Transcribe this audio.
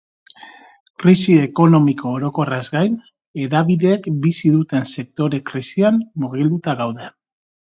Krisi ekonomiko orokorraz gain, hedabideek bizi duten sektore-krisian murgilduta gaude.